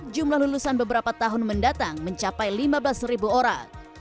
jumlah lulusan beberapa tahun mendatang mencapai lima belas ribu orang